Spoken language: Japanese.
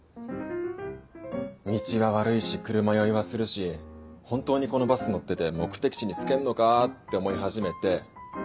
道は悪いし車酔いはするし本当にこのバス乗ってて目的地に着けんのか？って思い始めて。